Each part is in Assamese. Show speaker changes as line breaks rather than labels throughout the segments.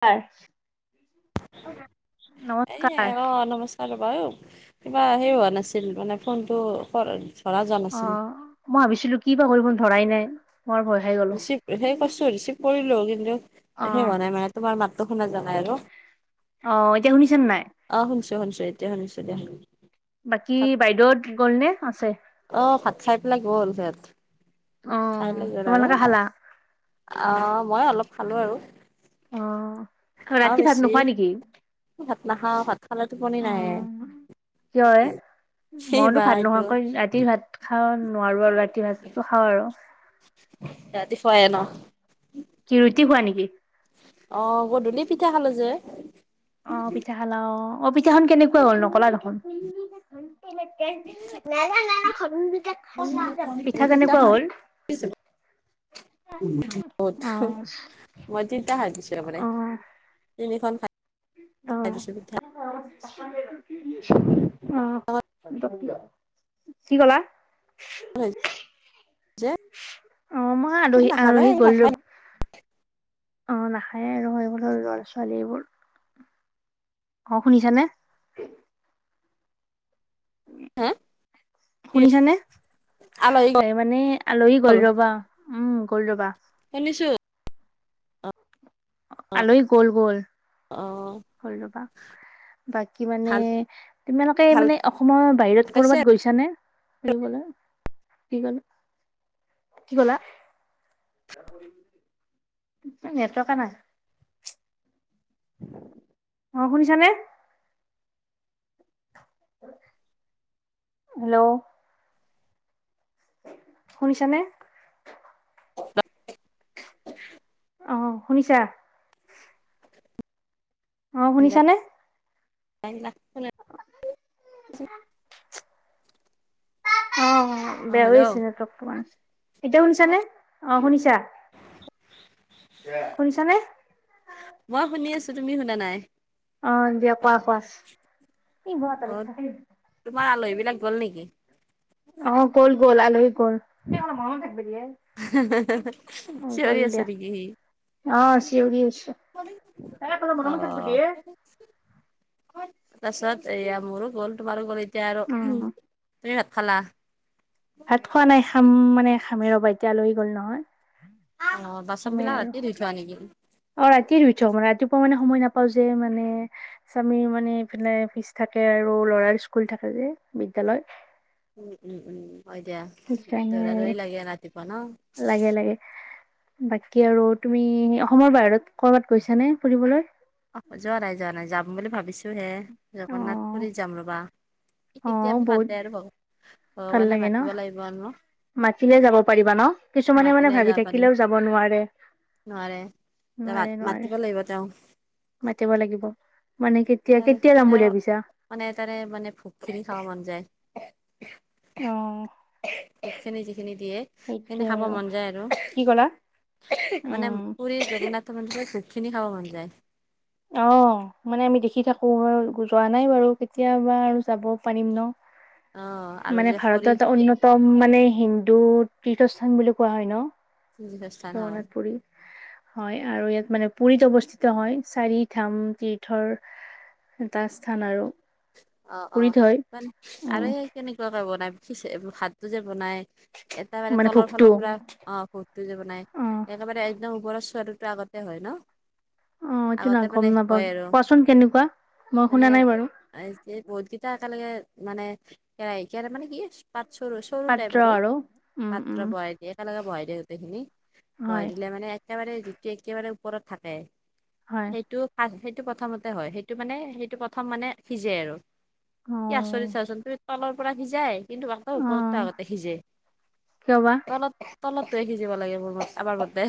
আ [unintelligible]
এ অ' নমস্কাৰ [unintelligible] কিবা সে হোৱা নাছিল মানে ফোনটো ধৰা যোৱা
অ
নাছিল।
মই ভাবিছিলো কি বা কৰিব ধৰাই নাই। বৰ ভয় খাই গলো
চি সেই কছো হৰি চি পৰিলো কিন্তু
অ
সেৱ নাই মানে তোমাৰ মাতটো শুনা যোৱা নাই আৰু
অ এতিয়া শুনিছে নাই
অ', শুনিছো শুনিছো এতিয়া শুনিছো দিয়া হ'লে [unintelligible]
বাকী বাইদেউহত গ'ল নে আছে?
অ', ভাত খাই পেলাই গল সিহঁত চাই ল গ আৰু আৰু
তোমালোকে খালা
আহ মই অলপ খালো আৰু।
অ',
খাওঁ
ৰাতি ভাত
বেছি
নোখোৱা নেকি?
ভাত নাখাও, ভাত খালে টোপনি
অ
নাহে।
কিয় এ?
সেই বা
মইতো ভাত
এইটো
নোখোৱাকৈ ৰাতি ভাত খা খা নোৱাৰো আৰু ৰাতি ভাত নাখাওঁ আৰু।
[unintelligible]
কি ৰুটি খোৱা নেকি?
অহ, গধূলি পিঠা খালো যে।
অ', পিঠা খালাও অ', অ'। পিঠাখন কেনেকুৱা হ'ল নকলা দেখোন? [unintelligible]
[unintelligible]
পিঠা কেনেকুৱা
[unintelligible]
হ'ল অ অ',
তিনিখন খাই খাই
অ',
দিছোঁ পিঠা।
[inaudible] [unintelligible]
অঁ।
কি কলা?
যে
অ', মই আলহী,
নাখালে
আলহী
এই
গল ৰব
নাখাই
অ', নাখায়েই আৰু এইবোৰৰ লৰা ছোৱালীবোৰ। অ', শুনিছানে?
হা?
শুনিছানে, এই মানে আলহী গ'ল ৰবা উম, গ'ল ৰবা।
শুনিছোঁ।
আলহী গ'ল গ'ল।
অ
হল ৰবা বাকী মানে
ভাল
তোমালোকে
ভাল
মানে অসমৰ বাহিৰত
পাইছে
কৰবাত গৈছানে? ফুৰিবলৈ, কি কল, কি কলা? নেটৱৰ্কয়ে নাই। অ', শুনিছানে? হেল্ল' শুনিছা নে? অ', শুনিছা? অ', শুনিছানে?
[unintelligible]
[unintelligible] অ' বেয়া
অ
হৈ
হেল্ল'
আছে নেটৱৰ্কটো অলপমান। এতিয়া শুনিছানে অ, শুনিছা? শুনিছানে?
মই শুনি আছো তুমি শুনা নাই।
অ', দিয়া কোৱা কোৱা।
অ [unintelligible] গ'ল নেকি?
অ', গ'ল গ'ল আলহী গল। গ'ল
চিঞৰি আছে
দিয়া
নেকি সি?
অ', চিঞৰি আছে, তাৰে অলপমান
অ
মনে মনে থাক ব' দি এ।
তাৰপিছত এয়া মোৰো গ'ল তোমাৰো, গ'ল এতিয়া আৰু
উম
তুমি খালা?
ভাত খোৱা নাই খাম মানে খামে ৰ'বা এতিয়া লৈ গ'ল নহয়।
অ বাচন
আমি
বিলাক
আৰু
ৰাতি ধুই থোৱা নেকি
অ, ৰাতি ধুই থওঁ ৰাতিপুৱা মানে সময় নাপাও যে মানে স্বামীৰ মানে ইফালে অফিচ থাকে আৰু ল'ৰাৰ স্কুল থাকে যে। বিদ্যালয়।
উম, উম, উম, হয় দিয়া
সেইকাৰণে
দৌৰা দৌৰি লাগে ৰাতিপুৱা ন।
লাগে লাগে বাকী আৰু তুমি অসমৰ বাহিৰত কৰবাত গৈছা নে ফুৰিবলৈ?
অ', যোৱা নাই, যোৱা নাই, যাম বুলি ভাবিছো হে
অ
জগন্নাথ পুৰী যাম ৰবা। কেতিয়া
অ', বহুত
মাতে আৰু ভগৱান
ভাল
ভগৱানে
লাগে ন
মাতিব লাগিব ন।
মাতিলে যাব পাৰিবা ন কিছুমানে মানে ভাবি
যাব পাৰিম
থাকিলেও যাব নোৱাৰে।
নোৱাৰে মাতিব লাগিব তেওঁ।
মাতিব লাগিব। মানে কেতিয়া কেতিয়া যাম বুলি
ত'
ভাবিছা?
মানে তাৰে মানে ভোগ খিনি খাব মন যায়।
অ',
ভোক খিনি যিখিনি দিয়ে, সেইখিনি খাব মন যায় আৰু
কি ক'লা?
মানে
উম
পুৰী জগন্নাথ [unintelligible] ভোগ খাব মন যায়।
অ', মানে আমি দেখি থাকো যোৱা নাই বাৰু কেতিয়াবা আৰু যাব পাৰিম ন।
অ আৰু
মানে
যে খৰি
ভাৰতৰ এটা অন্যতম মানে হিন্দু তীৰ্থস্থান বুলি কোৱা হয় ন?
[unintelligible] হয়।
জগন্নাথ পুৰী হয় আৰু ইয়াত মানে পুৰীত অৱস্থিত হয়। চাৰি ধাম তীৰ্থৰ এটা স্থান আৰু।
অ', অ',
পুৰীত হয়
মানে
অ
আৰু এই কেনেকুৱাকে বনাইি ভাতটো যে বনাই? এটা মানে তলৰ ফালৰ পৰা, অ', ভোগটো যে বনাই
অ
একেবাৰে একদম ওপৰত চোৱা আগতে হয় ন?
অ', এইটো না
আগতে
গম
মানে
নাপাওঁ
হয় আৰু
কোৱাচোন কেনেকুৱা মই শুনা নাই বাৰু।
বহুতকেইটা একেলগে মানে কেৰাহ মানে কি পাত চৰু চৰু টাইপ আৰু।
উম
পাত্ৰ
উম
বহাই দিয়ে, একেলগে বহাই দিয়ে গোতেইখিনি বহাই
হয়
দিলে মানে একেবাৰে যিটো একেবাৰে ওপৰত থাকে
হয়
সেইটো [unintelligible] সেটো প্ৰথমতে হয়, সেইটো মানে, সেইটো প্ৰথম মানে সিজে আৰু
অ
কি আচৰিত চোৱাচোন তুমি তলৰ পৰা সিজাই কিন্তু আকৌ
অ
ওপৰততো আগতে সিজে
কিয় বা
তলত তলৰটোয়ে সিজিব লাগে, মোৰ আমাৰ মতে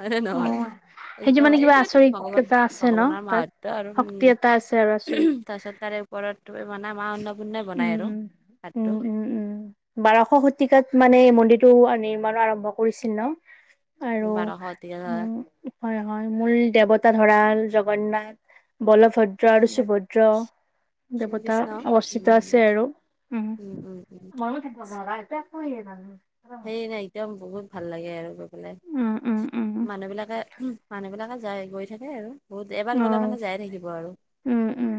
হয়নে
অ
নহয়?
সেইটো
একদম
মানে কিবা
এইটোয়ো
আচৰিত
ভগৱান
এটা আছে ন
ভগৱানৰ
তাত
মাহত আৰু
শক্তি
উম,
এটা আছে আৰু আচৰিত
তাৰপিছত তাৰে ওপৰত [unintelligible] মা অন্নপূৰ্ণে বনাই আৰু
উম উম
ভাতটো।
উম উম টো নিৰ্মাণো আৰম্ভ কৰিছিল ন? আৰু
বাৰশ গতিকে ধৰা
উ হয়, হয়, মূল দেৱতা ধৰা জগন্নাথ। বলভদ্ৰ আৰু সুভদ্ৰ দেৱ টা
শ্ৰীকৃষ্ণ
অৱস্থিতত আছে
উম
আৰু। উম [unintelligible]
সেই নাই একদম বহুত ভাল লাগে আৰু। বোলে
উম, উম,
মানুহ বিলাকে মানুহ বিলাকে যায়, গৈ থাকে আৰু। বহুত এবাৰ গলে
অ',
মানে যায় থাকিব আৰু।
উম, উম।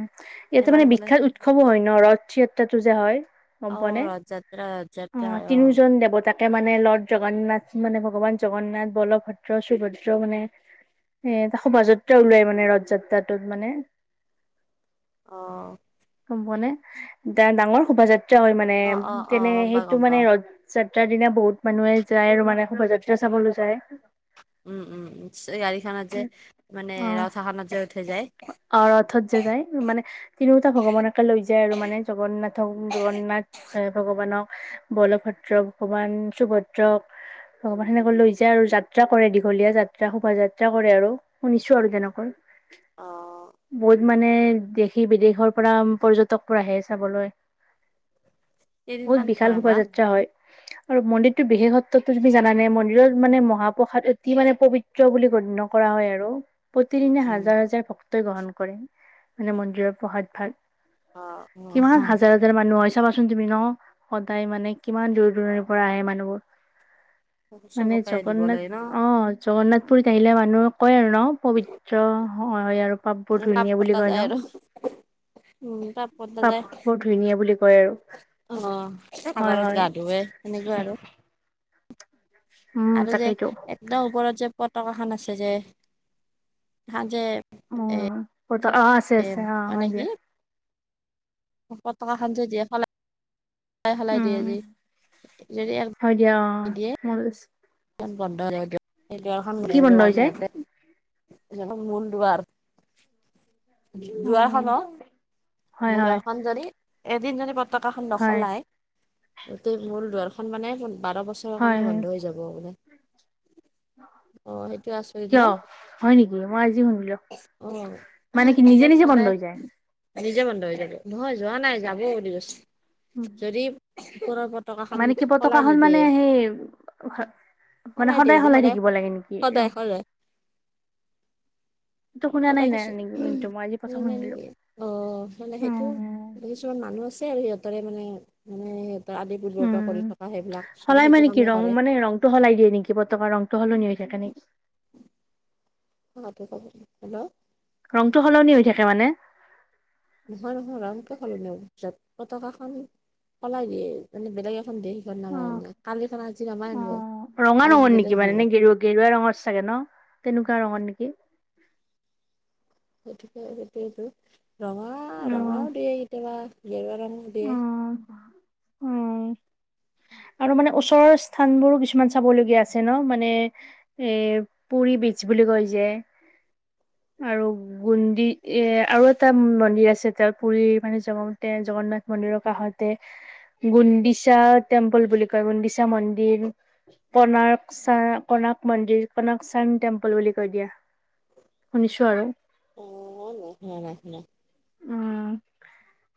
ইয়াতে
এবাৰ
মানে
গ'লে
বিখ্যয়াত উৎসৱো হয় ন ৰথ য়াত্ৰাতটো যে হয়! গম পোৱা
অহ,
নে?
ৰথযাত্ৰা ৰথযাত্ৰা
অ',
হয় অহ।
তিনিওজন [unintelligible] লৰ্ড জগন্নাথ মানে ভগৱান জগন্নাথ বলভদ্ৰ সুভদ্ৰ মানে এ এটা শোভাযাত্ৰা ওলাই মানে ৰথযাত্ৰাটোত মানে।
অহ।
গম পোৱা নে? ডাঙৰ শোভাযাত্ৰা হয় মানে
অ অ অ
তেনে
গম পাওঁ গম
সেইটো
পাওঁ
মানে ৰথ যাত য্ৰাৰ দিনা বহুত মানুহে যায় আৰু মানে শোভাযাত্ৰা চাবলৈ যায়।
উম উম উম, গাড়ীখানা যে মানে
অ',
ৰথখানত যে উঠে যায়।
অ', ৰথত যে যায় মানে তিনিওটা ভগৱানকে লৈ যায় আৰু মানে জগন্নাথক জগন্নাথ থ ভগৱানক, বলভদ্ৰ ভগৱান, সুভদ্ৰক। ভগৱান, সেনেকৈ লৈ যায় আৰু যাত্ৰা কৰে দীঘলীয়া যাত্ৰা শোভাযাত্ৰা কৰে আৰু, শুনিছো আৰু তেনেকৈ।
অহ।
বহুত মানে দেশী বিদেশৰ পৰা পৰ্যটক আহে চাবলৈ। বহুত
কেইদিনমান
বিশাল
থয় বা
শোভাযাত্ৰা হয়। আৰু মন্দিৰটো বিশেষসত্বতো তুমি জানে মন্দিৰত মানে মহাপ্ৰসাদ অতি মানে পবিত্ৰ বুলি গণ্য কৰা হয় আৰু
উম
প্ৰতিদিনে
উম
হাজাৰ হাজাৰ ভক্তই গ্ৰহণ কৰে। মানে মন্দিৰৰ প্ৰসাদ ভাগ।
অ
কিমান হাজাৰ হাজাৰ মানুহ হৈ চাবাচুন তুমি ন? সদায় মানে কিমান দূৰ দূৰণিৰ পৰা আহে মানুহবোৰ।
অ
মানে
চবকে দিব
জগন্নাথ
লাগে ন
অ', জগন্নাথ পুুৰীত আহিলে মানুহ কয় আৰু ন? পবিত্ৰ হয় আৰু পাপ বোৰ
মানে
ধুই নিয়ে বুলি
কটা
কয়
যায়
ন।
আৰু উম পাপ কটা যায়
পাপবোৰ ধুই নিয়ে বুলি কয় আৰু।
অ',
হয়
[unintelligible]
হয়
গা ধোৱে সেনেকুৱা আৰু
উম
আৰু যে
তাকেইতো
একদম ওপৰত যে পতকাখান আছে যে? এ এ
উম অ আছে
এ
আছে অ হয়
মানে
দিয়া
কি পতকা খান যে দিয়েফালে
উম,
যদি এক
হয় দিয়া, অ', মই লৈছো।
[unintelligible] এ মূল
কি বন্ধ হৈ যায়
দুৱাৰ
উম
দুৱাৰখনৰ
হয়
মোৰ
হয়
লৰাখন যদি এদিন যদি কা টটখন
হয়
নচলাই [unintelligible] গটেই মোৰ দুৱাৰখন মানে বাৰ বছৰৰ
হয়
কাৰণে
হয়
বন্ধ হৈ যাব বলে আচৰিত ন
কিয় হয় নেকি মই আজি শুনিলো।
অ
মানে কি নিজে নিজে বন্ধ
সদায়
হৈ যায়
নিজে বন্ধো হৈ থাকে নহয় যোৱা নাই যাব বুলি কৈছ যদি ওপৰৰ পতাকাখন
মানে কি পতকা
সলাই
খন মানে
নিদিয়ে
সেই মানে সদায় সলাই থাকিব লাগে নেকি?
সদায় সদায়
শুনা নাই
সদায়
নাই
কিছু
নেকি কিন্তু মই আজি প্ৰথম
[unintelligible]
শুনিলো
অ', মানে
অ
সেইটো কিছুমান মানুহ আছে আৰু সিহঁতৰে মানে মানে আদি পূৰ্বৰ
উম,
পৰা কৰি থকা সেইবিলাক চবে
সলাই
সেইটো
মানে কি
কামেই
ৰং
কৰে
মানে ৰং টো সলাই দিয়ে নেকি পতকা ৰংটো সলনি হৈ যায়? [unintelligible]
[unintelligible] হেল্ল?
ৰঙটো সলনি হৈ থাকে মানে।
নহয় নহয় ৰংটো সলনি, পতকা খন সলাই দিয়ে, মানে বেলেগ সন্দেহি কৰি
অ
নাম কালিৰ খ [unintelligible] আজি নমাই
অ
আনিব
ৰঙা
আজি
ৰঙৰ
বেলেগ
নেকি মানে
দিব
নে গেৰুৱা গেৰুৱা ৰঙত চাগে ন তেনেকুৱা ৰঙৰ নেকি
গতিকে সিইতোয়ে ৰঙা
অ',
ৰঙাও দিয়ে কেতিয়াবা গেৰুবা ৰঙও দিয়ে
উ আৰু মানে ওচৰৰ স্থান বোৰ কিছুমান চাবলগীয়া আছে ন মানে এ পৰি বুলি কৈ যে আৰু গুন্দি এ আৰু এটা মন্দিৰ আছে তেওঁৰ পুৰি মানে জতে জগন্নাথ মন্দিৰ নৰকাষতে গুডিচা টেম্পল বুলি কয় মন্দীচা মন্দিৰ কনাকচা কনাক মন্দিৰ কনাকচা টেম্পল বুলি কৈ দিয়া শুনিছোঁ আৰু
অ নাই শুনা নাই শুনা
উম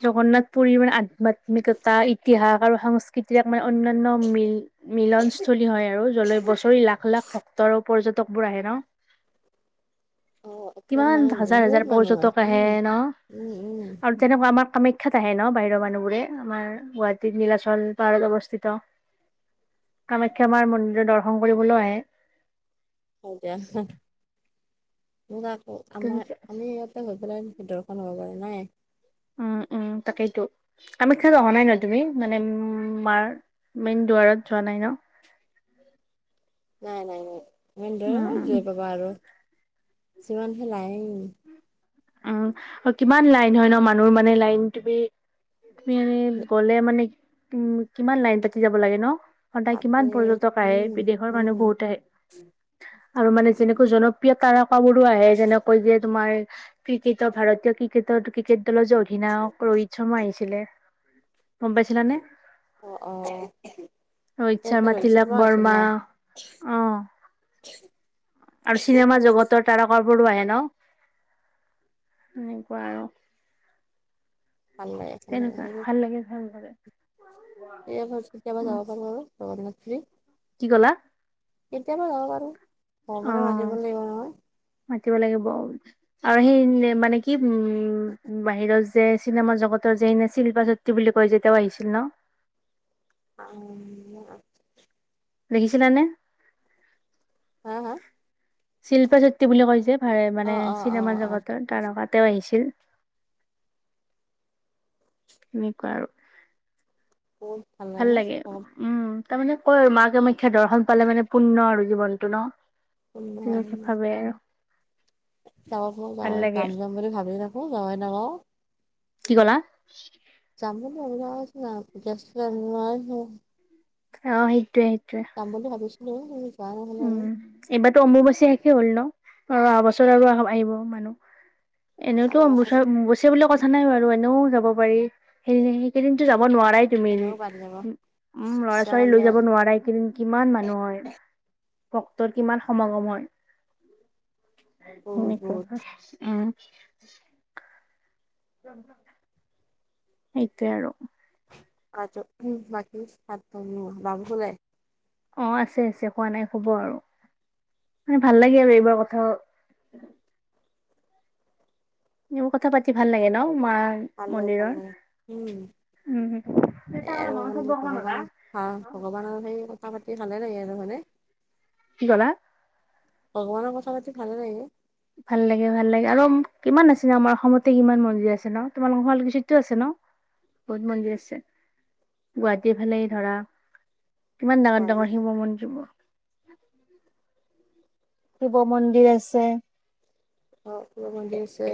জগন্নাথ পুৰী মানে আধ্যয়াত্মিকতা ইতিহাস আৰু সংস্কৃ তি মানে অন্যান্য মিল মিলনস্থলী হয় আৰু যলৈ বছৰি লাখ লাখ ভক্তৰ পৰ্য তকবোৰ আহে ন
অ', একদম
কিমান
মানে
হাজাৰ
বহুত
হাজাৰ
মানুহ হয়
পৰ্যটক আহে
উম,
ন
উম, উম।
আৰু তেনেকুৱা আমাক কামাখ্যাত আহে ন বাহিৰৰ মানুহবোৰে আমাৰ গুৱাহাটী নীলাচল পাৰ অৱস্থিত কামাখ্যা মাৰ মন্দিৰ দৰ্শন কৰিবলৈ আহে
স দিয়া মোক আকৌ আমাৰ
তেনেকে
আমি ইয়াতে হৈ পেলাই দৰ্শন হব পাৰা নাই
উ উ তাকেইতো কামাখ্যা অহা নাই ন তুমি মানে উ মাৰ মেইন দুৱাৰত যোৱা নাই ন
নাই, নাই, নাই মেন
উম
কত
উম
গৈ পাবা আৰু চিমান খ [unintelligible] নাই।
উম কিমান লাইন হয় ন মানুহ মানে লাইন তুমি, তুমি গ'লে মানে কিমান লাইন পাতি যাব লাগে ন? সদায়
তাকে
কিমান পৰ্যটক আহে
উম,
বিদেশৰ মানুহ
উম,
বহুত আহে। আৰু মানে যেনেকৈ জনপ্ৰিয় তাৰকা বোৰো আহে যেনেকৈ যে তোমাৰ ক্ৰিকেটৰ ভাৰতীয় ক্ৰিকেটৰ ক্ৰিকেট দলৰ যে অধিনায়ক ৰোহিত শৰ্মা আহিছিলে। কম পাইছিলানে?
অ অ।
ৰোহিত
ইয়াতে
শৰ্মা
ৰহিত
তিলক
আছিল
বৰৰ্মা
ন
আহ। আৰু চিনেমা জগতৰ তাৰকাবোৰো আহে ন? এনেকুৱা আৰু
ভাল লাগে ভাল লাগে
তেনেকুৱা ভাল লাগে ভাল ভৰে।
এইয়াপ চ আমাৰ যাব পাৰ আৰুব লছিলি। [unintelligible]
কি কলা।
কেতিয়াবা যাব পাৰ ভগৱানে
অ
মাতিব লাগিব নহয়।
মাতিব লাগিব আৰু সেই মানে কি উম বাহিৰত যে চিনেমা জগত যেনে শিল্পা শত্ৰী বুলি কয় যে তেওঁ আহিছিল ন।
উ!
দেখিছে নে?
হা হা।
শিল্প চুতী বুলি কৈছে ভাল মানে
অ', অ',
চিনেমা
অ', অ',
জগতৰ তাৰ লগত। তেওঁ আহিছিল। এনেকুৱা আৰু
বহুত ভাল লাগে নব।
তাৰ মানে কয় মা কামাখ্যা দৰ্শন পালে মানে পুণ্য আৰু জীৱনতটো ন। তেনেুৱা ভাবে আৰু
যাওঁ প
ভাল
যাওঁ
লাগে।
কাম যাম বুলি ভাবি থাকো যাৱই নাপাও।
কি কলা?
যামাম আজ ন পজা্ত ন। [unintelligible]
অ সেইটোৱেই
যাম বুলি ভাবিছিলোঁ।
উম এইবাৰো অমুৰবাচী শেষে হ'ল ন? অ অহা বছৰ আৰু আহিব মানুহ এনেওতো
আৰু
অম্বো
আৰু
গুছে বুলি কৈ কথা নাই বাৰু এনেও যাব পাৰি সেইদি সেইকেইদিনতো যাব নোৱাৰাই তুমি?
তেনেও বাদ যাব
উ উম লৰা
ইচ্ছা
ছোৱাল লৈ
কৰিলে
যাব নোৱাৰা এইকেইদিন কিমান মানুহ হয়। ভক্তৰ কিমান সমাগম হয়
বহুত
সনেুৱা
বহুত
উম। সেইটোৱে আৰু
আ বাকি একদম বাবু শুলে?
অ আছে আছে শুৱা নাই শুব আৰু মানে ভাল লাগে আৰু এইবাৰ কথাও এইবোৰ কথা পাতি ভাল লাগে ন মা
ভালে
মন্দিৰৰ
ভালে উম
উম
এই আৰু মান ভগৱানক ভাল ভগৱানৰ সেই কথা পাতি ভালে লাগে আৰু হয়নে? [unintelligible] [unintelligible]
কি ক'লা?
ভগৱানৰ কথা পাতি ভালে লাগে।
ভাল লাগে ভাল লাগে আৰু কিমান আছে ন আমাৰ অসমতে কিমান মন্দিৰ আছে ন তোমালোকৰ শুৱালকছুটো আছে ন? বহুত মন্দিৰ আছে গুৱাহাটীৰ ফালে ধৰা। কিমান ডাঙৰ
গুৱাহাটীত
ডাঙৰ শিৱ মন্দিৰবোৰ। শিৱ মন্দিৰ আছে।
অ শিৱ মন্দিৰ আছে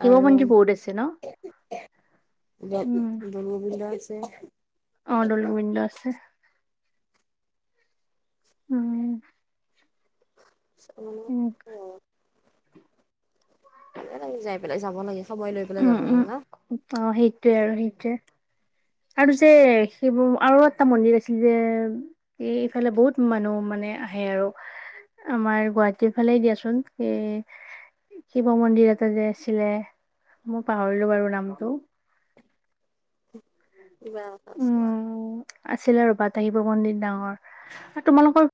শিৱ
আৰু
মন্দিৰ বহুত আছে ন
অঁ দৌলগোবিন্দ আছে
অ দৌলগোবিন্দ আছে উম
উ
উম
অ লাগে যাই পেলাই যাব লাগে সময় লৈ পেলাই
উম
যাব
উম
লাগে ন
অ সেইটোৱে আৰু সেইটোৱে আৰু যে সেইবোৰ আৰু এটা মন্দিৰ আছিল যে এ ইফালে বহুত মানুহ মানে আহে আৰু আমাৰ গুৱাহাটীৰ ফালে দিয়াচোন এ শিৱ মন্দিৰ এটা যে আছিলে মই পাহৰিলো বাৰু নামটো
উ আছে
আছিল আৰু বাট আহিব পন্দিত ডাঙৰ আৰু তোমালোকৰ